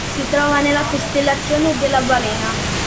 Si trova nella costellazione della Balena.